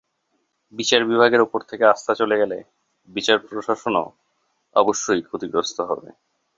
বিচার বিভাগের ওপর থেকে আস্থা চলে গেলে বিচার প্রশাসনও অবশ্যই ক্ষতিগ্রস্ত হবে।